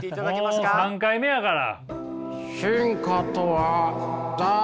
もう３回目やから。